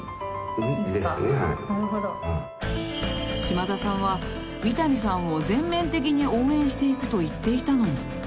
［嶋田さんは美谷さんを全面的に応援していくと言っていたのに］